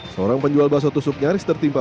seorang penjual bakso tusuk nyaris tertimpa